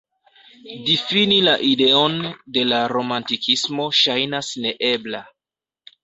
Difini la ideon de la romantikismo ŝajnas neebla.